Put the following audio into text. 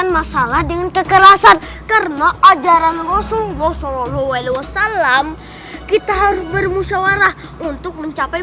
masalah dengan kekerasan karena ajaran rasulullah saw kita harus bermusyawarah untuk mencapai